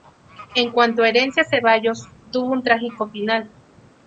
En cuanto a Herencia Zevallos, tuvo un trágico final.